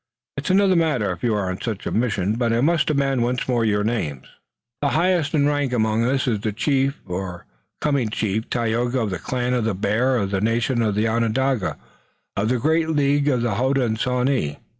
"It's another matter if you are on such a mission, but I must demand once more your names." "The highest in rank among us is the young chief, or coming chief, Tayoga, of the clan of the Bear, of the nation Onondaga, of the great League of the Hodenosaunee.